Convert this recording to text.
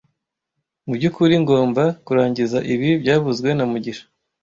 Mu byukuri ngomba kurangiza ibi byavuzwe na mugisha